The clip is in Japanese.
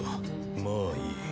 まあいい。